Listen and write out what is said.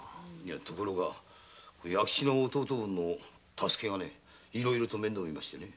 ところが弥吉の弟分の太助がいろいろと面倒みましてね。